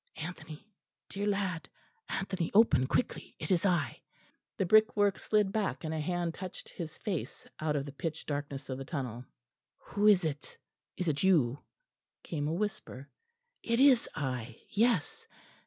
"Anthony, dear lad, Anthony, open quickly; it is I." The brickwork slid back and a hand touched his face out of the pitch darkness of the tunnel. "Who is it? Is it you?" came a whisper. "It is I, yes.